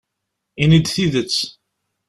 Ini-d tidet.